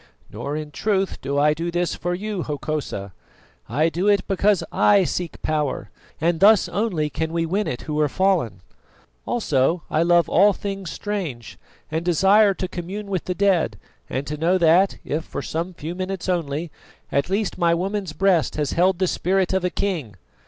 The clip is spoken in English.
Nor in truth do I do this for you, Hokosa; I do it because I seek power, and thus only can we win it who are fallen. Also I love all things strange, and desire to commune with the dead and to know that, if for some few minutes only, at least my woman's breast has held the spirit of a king.